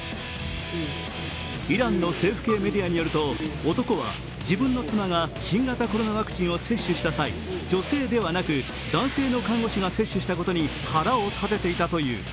イランの政府系メディアによると、男は自分の妻が新型コロナワクチンを接種した際に女性ではなく、男性の看護師が接種したことに腹を立てていたという。